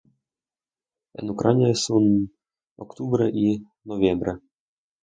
En Ucrania es un... octubre y noviembre.